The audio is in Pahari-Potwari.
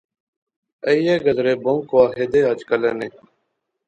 ایہہ گدرے بہوں کواخے دے اج کلے نے